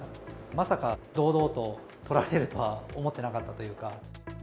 まさか堂々ととられるとは思ってなかったというか。